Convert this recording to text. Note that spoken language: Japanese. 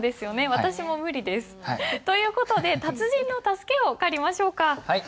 私も無理です。という事で達人の助けを借りましょうか。